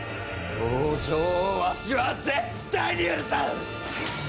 北条をわしは絶対に許さん！